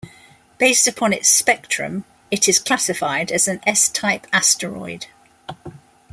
Based upon its spectrum, it is classified as an S-type asteroid.